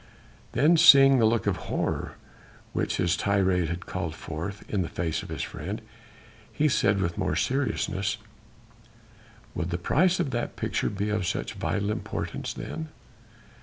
Then seeing the look of horror which his tirade had called forth in the face of his friend, he said with more seriousness: "Would the price of that picture be of such vital importance then?"